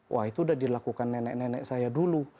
wah itu udah dilakukan nenek nenek saya dulu